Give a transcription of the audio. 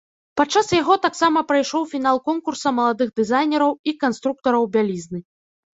Падчас яго таксама прайшоў фінал конкурса маладых дызайнераў і канструктараў бялізны.